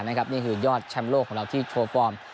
นี่คือยอดแชมป์โลกของเราที่โชว์ฟอร์ม